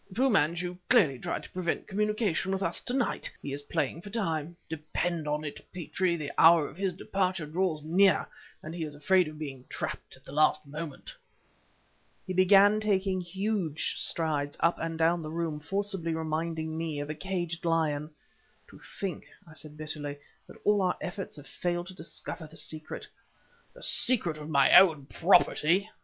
"Fu Manchu clearly tried to prevent communication with us to night! He is playing for time. Depend on it, Petrie, the hour of his departure draws near and he is afraid of being trapped at the last moment." He began taking huge strides up and down the room, forcibly reminding me of a caged lion. "To think," I said bitterly, "that all our efforts have failed to discover the secret " "The secret of my own property!"